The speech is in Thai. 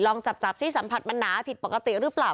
จับจับสิสัมผัสมันหนาผิดปกติหรือเปล่า